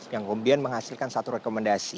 yang kemudian menghasilkan satu rekomendasi